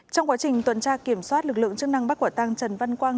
trong quá trình tuần tra kiểm soát lực lượng chức năng bắt quả tăng trần văn quang